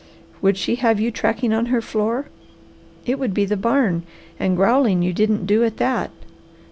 Would she have you tracking on her floor? It would be the barn, and growling you didn't do at that.